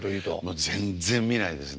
もう全然見ないですね。